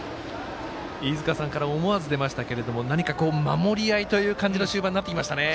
飯塚さんからも思わず出ましたけど何か守りあいという感じの終盤になってきましたね。